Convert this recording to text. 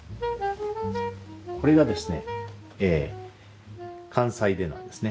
これがですね関西手なんですね。